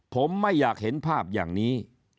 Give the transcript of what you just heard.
ผมไม่อยากเห็นภาพอย่างนี้